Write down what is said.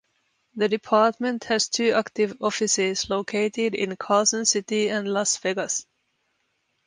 The department has two active offices located in Carson City and Las Vegas.